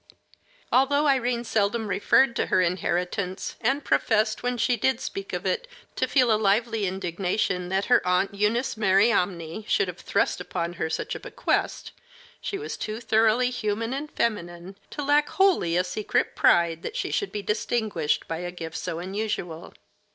Although Irene seldom referred to her inheritance, and professed, when she did speak of it, to feel a lively indignation that her aunt Eunice Mariamne should have thrust upon her such a bequest, she was too thoroughly human and feminine to lack wholly a secret pride that she should be distinguished by a gift so unusual.